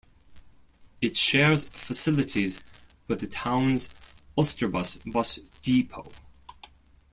It shares facilities with the town's Ulsterbus bus depot.